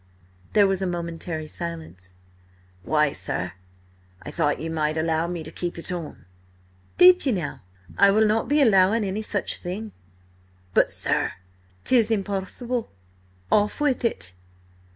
There was a momentary silence. "Why, sir, I thought ye might allow me to keep it on?" "Did ye now? I will not be allowing any such thing." "But, sir—" "'Tis impossible. Off with it!"